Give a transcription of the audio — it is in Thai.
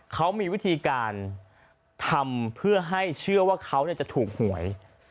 เขามีวิธีการทำเพื่อให้เชื่อว่าเขาจะถูกหวย